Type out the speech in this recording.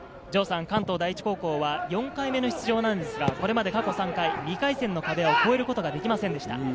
関東第一高校は４回目の出場なんですが、これまで過去３回、２回戦の壁を越えることができませんでした。